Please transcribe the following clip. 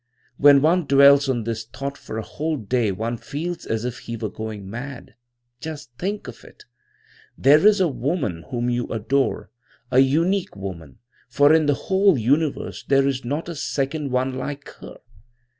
"When one dwells on this thought for a whole day one feels as if he were going mad. Just think of it! There is a woman whom you adore, a unique woman, for in the whole universe there is not a second one like her.